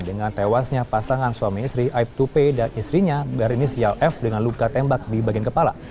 dengan tewasnya pasangan suami istri aib tupi dan istrinya berenis yal f dengan luka tembak di bagian kepala